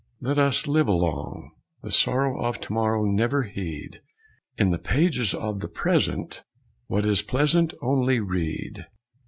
Let us live along, the sorrow Of to morrow Never heed. In the pages of the present What is pleasant Only read.